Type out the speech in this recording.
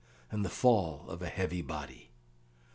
and the fall of a heavy body.